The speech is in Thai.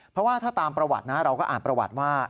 เพราะว่าถ้าตามประวัตินะเราก็อ่านประวัติว่า